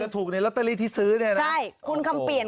หรือลอตเตอรี่ที่ซื้อใช่คุณคำเปลี่ยน